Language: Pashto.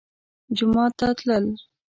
جومات ته تلل